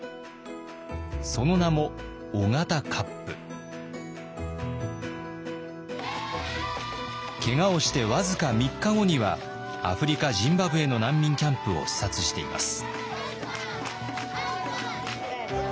その名もけがをして僅か３日後にはアフリカ・ジンバブエの難民キャンプを視察しています。